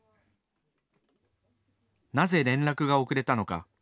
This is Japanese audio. なぜ連絡が遅れたのか。